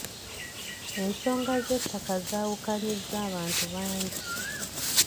Ensonga z'ettaka zaawukanyizza abantu bangi.